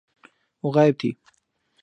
وہ غائب تھی۔